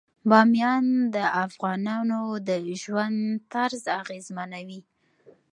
بامیان د افغانانو د ژوند طرز اغېزمنوي.